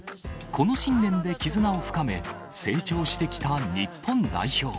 この信念で絆を深め、成長してきた日本代表。